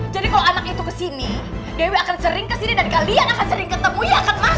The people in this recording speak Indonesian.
jadi kalau anak itu kesini dewi akan sering kesini dan kalian akan sering ketemu ya kan mas